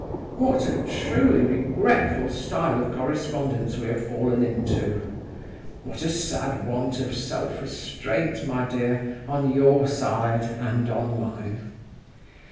What a truly regretful style of correspondence we have fallen into! What a sad want of self restraint, my dear, on your side and on mine!